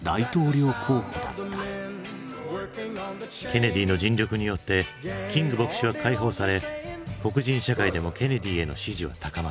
ケネディの尽力によってキング牧師は解放され黒人社会でもケネディへの支持は高まる。